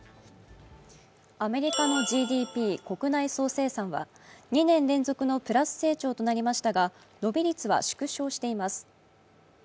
アメリカのＧＤＰ＝国内総生産は２年連続のプラス成長となりましたが伸び率は縮小しています。